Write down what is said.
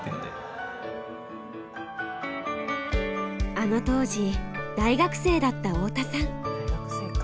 あの当時大学生だった太田さん。